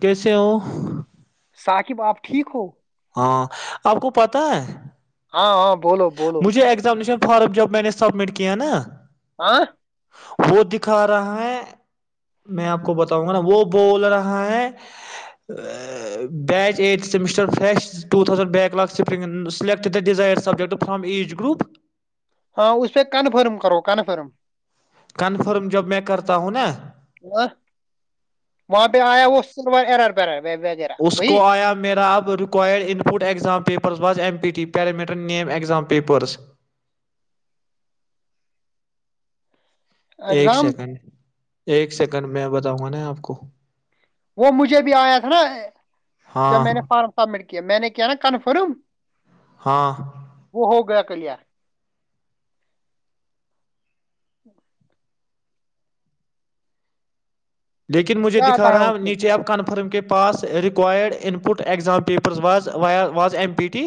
کیسے ہ ثاقب آپ ٹھیک ہو ہاں آپ کو پتا ہے ہاں ہاں بولو بولو مجھے ایگزامینشن فارم جب میں نے سبمٹ ک کی نا آاں وہ دکھا رہا ہے میں آپ کو بتاؤں گا نا وہ بول رہا ہے بیچ ایٹھ سمسٹر فش ٹ thousand back lip select the desire subject from age group ہاں اس پہ کنفرم کرو کنفرم کنفرم جب میں کرتا ہوں نا ہ وہاں پہ آیا وہ سلوار ایر براب ہے اس کو آیا میرا اب required input exam paper papers بد M P T parameter name exam papers ایک ایگزام سیکنڈ ایک سیکنڈ میں بتاؤں گا نا آپ کو وہ مجھے بھی آیا تھا نا جب ہاں میں نے فارم سبمٹ کیا کیا میں نے کیا نا کنفرم ہاں کل لیکن مجھے کیا آتا دکھا رہا اس ہے میں نیچے آپ کن فارم کے پاس ریکوائڈ انپٹ ایگزام پیپرز وا واز ایم پی ٹی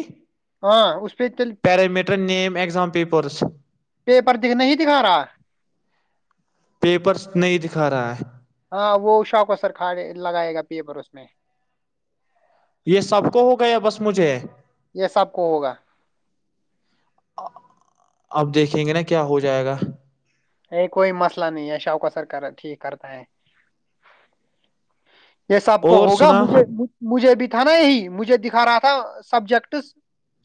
ہاں اس پہ چل پیرامیٹر نیم اگزام پیپ پرسوں پیپر دکھ نہیں دکھا رہا پیپرس نہیں دکھا رہا ہے ہاں وہ سوکا سر کھے لگائے گا پی پر اس میں یہ سب کو ہو گ یا بس مجھے یہ سب کو ہوگا اب دیکھیں گے نا کیا ہو جائے گا یہ کوئی مسئلہ نہیں ہے شاہک سر ٹیک کرتے ہے یہ سب کو اور ہوگا سنا مجھے مجھے بھی تھا نا یہی مجھے ھا رہا تھا سبجیکٹس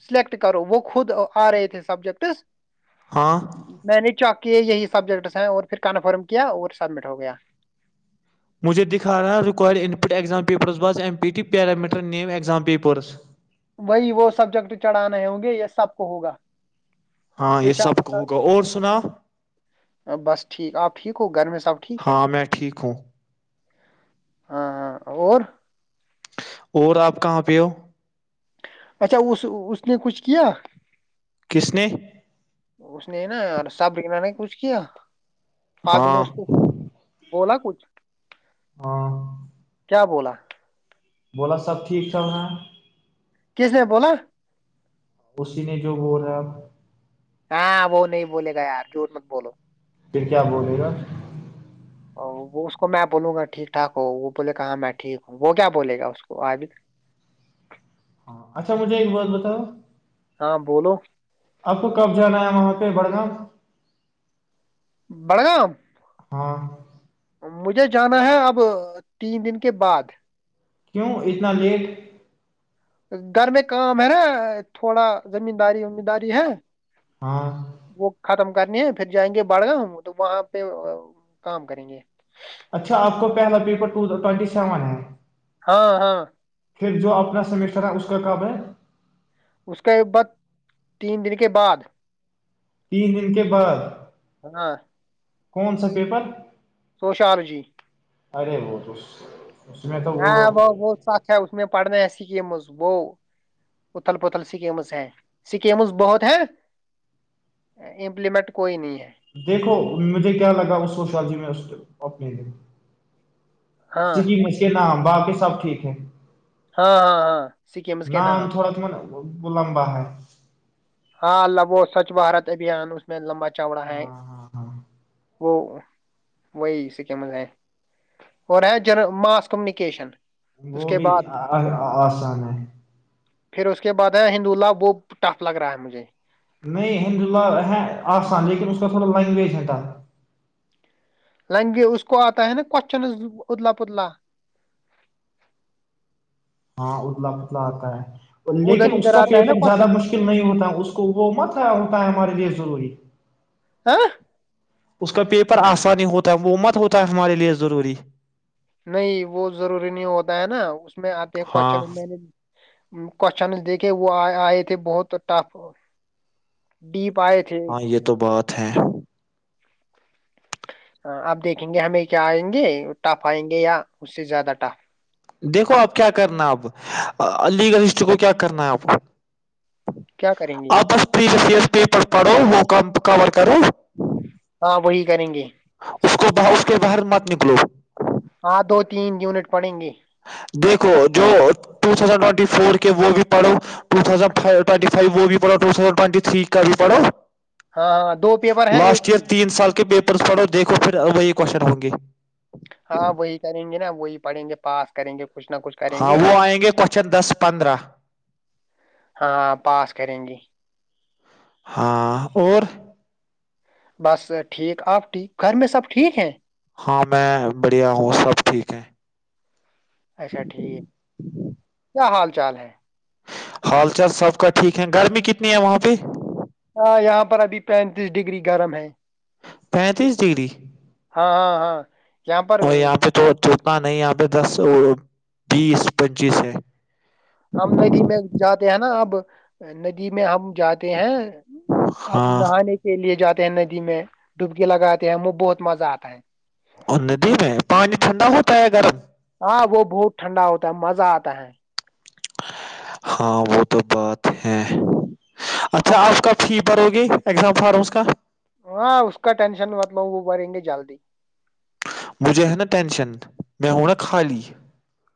سلیکٹ کرو وہ خود آ رہے تھے سبجیکٹس ہاں میں نے چک کہ یہی سبجیکٹس ہیں اور پھر کنفرم کیا اور سبمٹ ہو گیا مجھے دکھا رہا ہے required in exam papers was M P T parameter name exam papers وہی وہ سبجیکٹ چڑھانے ہوں گے یا سب کو ہوگا ہاں یہ سب کہ ہوگا اور سنا بس ٹھیک آپ ٹھیک ہو گھر میں سب ٹھیک ہے ہاں میں ٹھیک ہوں ہاں اور اور آپ کہاں پہ ہو اچھا اس نے کچھ کیا کس نے اس نے نا اور سبریین نے کچھ کیا فیڈ نہ ہاں اس کو [unintelligible] بولا کچھ ہاں کیا بولا بولا سب ٹھیک چل رہا ہے کس نے بولا اسی نے جو بول رہا ہے اب ہاں وہ نہیں بولے گا یار جھوٹ مت بولو پھر کیا بولے گا وہ اس کو میں بولوں گا ٹھیک ٹھاک ہو وہ بولے گا ہاں میں ٹھیک ہوں وہ کیا بولے گا اس کو اگے ہاں اچھا مجھے ایک بات بتاؤ ہاں بولو اب کو کب جانا ہے وہاں پہ بڑگام بڑگام ہاں مجھے جانا ہے اب تین دن کے بعد کیوں اتنا لیٹ گھر میں کام ہے نا تھوڑا زمین داری ومینداری ہے ہاں [unintelligible] کرنی ہیں پھر جائیں گے بڑگامؤ تو وہاں پہ کام کریں گے اچھا آپ کو پہلا پیپرٹ ٹوینٹی سیون ہے ہاں ہاں پھر جو اپنا سمیٹر ہے اس کا کب ہے اس کا یہ بت تین دن کے بعد تین دن کے بعد [unintelligible] کون سا پیپر سوشالوجی ارے م توس ہاں وہ بہت سچ ہے اس میں پڑھنے سکیمز وہ اتل پتھل سکیمز ہیں سکیمز بہت ہیں امپلیمنٹ کوئی نہیں ہے دیکھو مجھے کیا لگا اس و شازی میں اپنے د ہاں سی مشک ن باق [unintelligible] سب ٹھیک ہے ہاں ہاں ہاں سکمز کے نان نام تھوڑا تو م وہ لمبا ہے ہاں اللہبو سوچھ بھارت ابھیان اس میں لمبا چوڑا ہے ہاں ہاں ہاں وہ [unintelligible] وہی سکمز ہیں اور ہے ج ماس کمیونیکیشن اس وہ کے بھی بعد آسان ہے پھر اس کے بعد ہے ہند اللہ وہ ٹف لگ رہا ہے مجھے نہیں ہند اللہ ہے آسان لیکن اس کا تھوڑا لینگویج ہےتا لگے اس کو آتا ہے نا کوشچن اتلا پتلا ہاں اتلا پتلا آتا ہے ادھر لیکن اس ادھر کا آتا ہے نا پیپر زیادہ کوشچن مشکل نہیں ہوتا ہے اس کو وہ مت ہوتا ہے ہمارے لیے ضروری ہاں اس کا پیپر آسانی ہوتا ہے وہ مت ہوتا ہے ہمارے لیے ضروری نہیں وہ ضروری نہیں ہوتا ہے نا میں آتے ہیں ہاں کوشچن میں نے کوشچنس دیکھے وہ آئے تھے بہت ٹف ڈیپ آئے تھے ہاں یہ تو بات ہے آپ دیکھیں گے ہمیں کیا آئیں گے ٹف آئیں گے یا اس سے زیادہ ٹف دیکھو اب کیا کرنا اب لیگل ہسٹری کو کیا کرنا ہے آپ کیا کریں گے آپس پری وسس پیپ پر پڑھو وہ ک کبر کرو آپ ہاں وہی کریں گے اس کو ب اس کے باہر مت نکلو ہاں دو تین یونٹ پڑیں گے دیکھو جوٹزڈ ٹٹی فور کے وہ بھی پڑوٹٹ فو بھی ٹٹ تھ کا بھی پڑھو ہاں ہاں دو پیپر ہیں ایک لاسٹ ہی ایئر تین سال کے پیپرس پڑو دیکھو پھر ابائی کوشر ہوں گے ہاں وہی کریں گے نا وہی پڑھیں گے پاس کریں گے کچھ نہ کچھ کریں ہاں گے وہ آئیں گے کوشچن دس پندرہ ہاں پاس کریں گی ہاں اور بس ٹھیک آپ ٹھیک گھر میں سب ٹھیک ہیں ہاں میں بڑھیا ہوں سب ٹھیک ہے اچھا ٹھیک کیا حال چال ہے حال چال سب کا ٹھیک ہے گرمی کتنی ہے وہاں پہ ہاں یہاں پر ابھی پینتیس ڈگری گرم ہے پینتیس ڈگری ہاں ہاں ہاں یہاں پر اور یہاں پہ تو تھوک نہیں یہ پہ دس بیس پچیس ہے ہم ندی میں جاتے ہیں نا اب ندی میں ہم جاتے ہیں اپ ہاں نہانے کے لیے جاتے ندی میں ڈبکی لگاتے ہیں ہم بہت مزہ آتا ہے اور ندی میں پانی [unintelligible] وہ بہت ٹھنڈا ہوتا ہے مزہ آتا ہے ہاں وہ تو بات ہے اچھا اب آپ کا فی ہوگی ایگزام فارمس کا [inaudible] ہاں اس کا ٹینشن مث لو وہ بھریں گے جلدی مجھے ہے نا ٹینشن میں ہوں نا خالی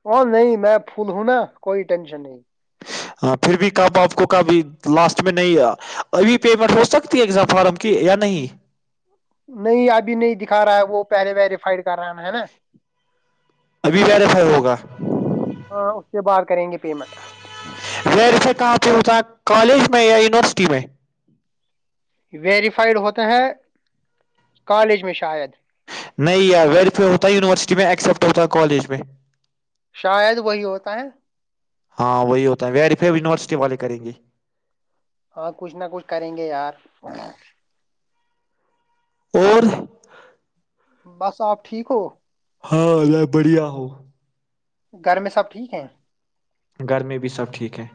وہ نہیں میں فھول ہوں نا کوئی ٹینشن نہیں ہاں پھر بھی کب آپ کو کبھی لاسٹ میں نہیں ابھی پیمنٹ ہو سکتی ہے ایزام فارم کی یا نہیں نہیں ابھی نہیں دکھا رہا ہے وہ پہلے ویریفائڈ کر رہا ہے نا ابھی ویریفے ہوگا پھر بار کریں گے پیمنٹ ویریفے کہا پے ہوتاہے کالج میں یا یونیورسٹی میں ویریفائڈ ہوتے ہیں کالج میں شاید نہی یار ویریفائی ہوتا ہے یونیورسٹی میں ایکسیپٹ ہوتا ہے کالج میں شاید وہی ہوتا ہے ہاں وہی ہوتا ہے ویری پ یونیورسٹی والے کریں گی ہاں کچھ نہ کچھ کریں گے یار اور بس آپ ٹھیک ہو ہاں ال بڑھیا ہو گھر میں سب ٹھیک ہیں گر میں بھی سب ٹھیک ہیں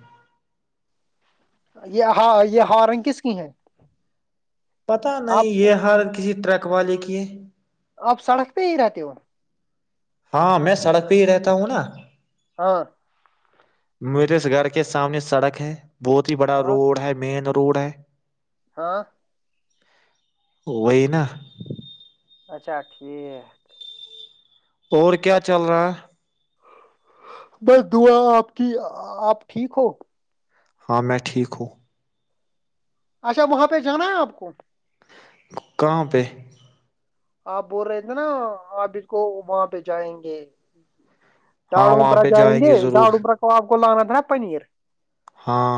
یہ ہ یہ ہارن کس کی ہے پتا نہیں یہ ہارن کسی ٹریک اوا لے کی ہے اب سڑک پہ ہی رہتے ہو ہاں میں سڑک پہ ہی رہتا ہوں نا ہاں میرے اس گھر کے سامنے سڑک ہے بہت ہی بڑا ہاں روڈ ہے مین کوڑا [inaudible] ہاں وہی نا اچھا ٹھیک اور کیا چل رہا ہے بس دعا آپ کی آپ ٹھیک ہو ہاں میں ٹھیک ہوں اچھا وہاں پہ جانا ہے آپ کو کہاں پہ آپ بول رہے تھے نا آپ اس کو وہاں پہ جائیں گے ڑاڑ ہاں وہاں ووپرر پہ جائیں گے ضرور ڑاڑووپر کو آب آپ کو لانا تھا نا پنیر ہاں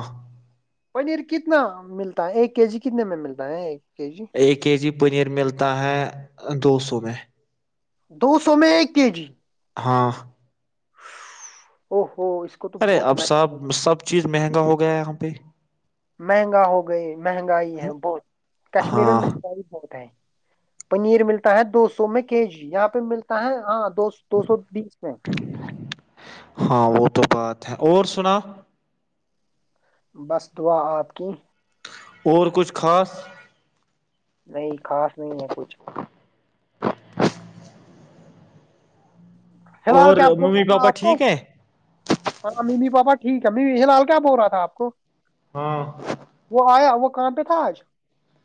پنیر کتنا ملتا ہے ایک کے جی کتنے میں ملتا ہے کے جی ایک کے جی پنیر ملتا ہے دو سو میں دو سو میں ایک کے جی ہاں او ہو اس کو تو ارے بہت اب سب مہنگا سب چیز مہنگا ہوگا ہو گیا یہاں پہ مہنگا ہو گئی مہنگائی ہے بہت کشمیر میں ہاں مہنگائی بہت ہے پنیر ملتا ہے دو سو میں کے جی یہاں پہ ملتا ہے ہاں دوو دو سو بیس میں ہاں وہ تو بات ہے اور سنا بس دعا آپ کی اور کچھ خاص نہیں خاص نہیں ہے کچھ فی الحال اور کیا بول رہا ممی تھا پاپا آپ کو ٹھیک ہے ہ ممی پاپا ٹھیک ہے یلال کیا بول رہا تھا آپ کو ہاں دکان پہ تھا آج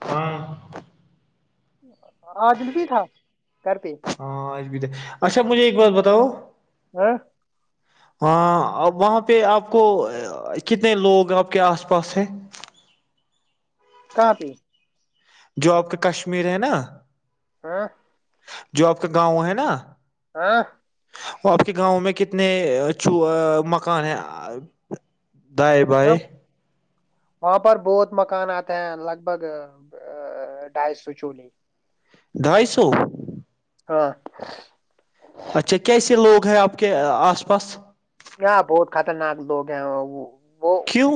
ہاں عادل بھی تھا گھر پہ ہاں آج اچھا مجھے ایک بات بتاؤ [inaudible] ہاں ا وہاں پہ آپ کو کتنے لوگ آپ کے آس پاس ہے کہاں پہ جو آپ کا کشمیر ہے نا ہاں جو آپ کا گاؤں ہے نا ہاں وہ آپ کے گاؤں میں کتنے چو مکان ہیں دائیں نہ بائیں وہاں پر بہت مکان آتے ہیں لگ بھگ ڈھائی سو چولی ڈھائی سو ہاں ہے آپ کے آس پاس ہاں بہت خطرناک لوگ ہیں اور وہ کیوں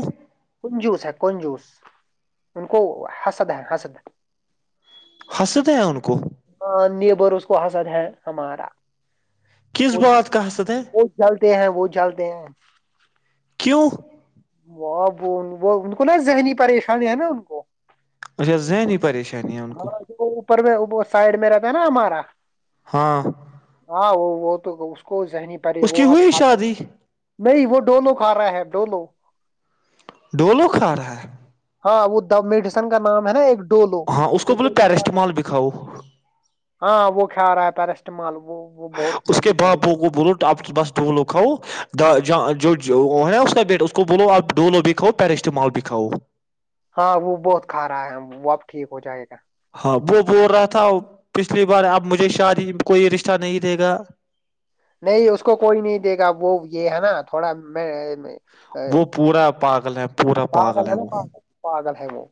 کنجوس ہے کنجوس ان کو ہسد ہے ہسد حسد ہے ان کو ہاں نیبیرس کو حسد ہے ہمارا کس وہ بات کا حسد ہے وہ جلتے ہیں وہ جلتے ہیں کیوں وہ وہ ان کو نا ذہنی پریشانی ہے نا ان کو اچھا ذہنی پریشانی ہے ان ہاں کو اوپر میں سائڈ میں رکھ نا ہمارا ہاں ہاں وہ وہ تو اس کو کو ذہنی پریشانی ہے اس کی وہ آپ ہوئی کھاتا ہے شادی نہیں وہ ڈولو کھا رہا ہے ڈولو ڈولو کھا رہا ہے ہاں وہ د مڈیسن کا نام ہے نا ایک ڈولو ہاں اس کو وہ بولے وہی کھا رہا ہے، پیرسٹامال بھی کاؤ ہاں وہ کھا رہا ہے پیرسٹمال کو اس کے باپو کو بولو آپ بس دو لو کھاؤ ج جو ہے نا اس کا بیٹ اس کو بولو آپ ڈولو بھی کھاؤ پیرسٹیمال بھی کاؤ ہاں وہ بہت کھا رہا ہے وہ اب ٹھیک ہو جائے گا ہاں وہ [unintelligible] بول رہا تھا پچھلی بار اب مجھے شادی میں کوئی رشتہ نہیں دے گا نہیں اس کو کوئی نہیں دے گا وہ یہ ہے نا تھوڑا میں میں- وہ پورا پاک کل ہےپ پاگل ہے نا پا پاگل ہے وہ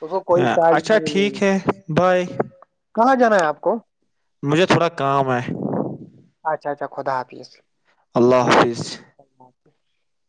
اس کو ہ کوئی شاعری اچھا نہیں ٹھیک ملی ہے بائے کہاں جانا آپ کو مجھے تھوڑا کام ہے اچھا [inaudible] اللہ حافظ [inaudible]